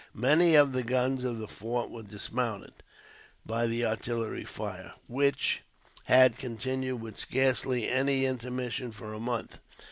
Many of the guns of the fort were dismounted by the artillery fire, which had continued, with scarcely any intermission, for a month.